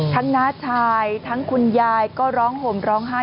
น้าชายทั้งคุณยายก็ร้องห่มร้องไห้